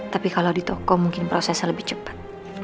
tapi kalau di toko mungkin prosesnya lebih cepat